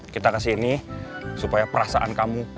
kita udah pas ini supaya perasaan kamu